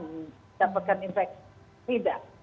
mendapatkan infeksi tidak